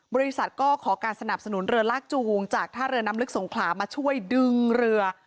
บริษัทก็ขอการสนับสนุนเรือลากจูงจากท่าเรือน้ำลึกสงขลามาช่วยดึงเรือ